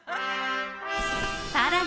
［さらに］